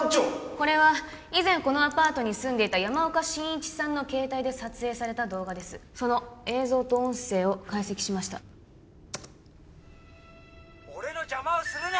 これは以前このアパートに住んでいた山岡真一さんの携帯で撮影された動画ですその映像と音声を解析しました俺の邪魔をするな！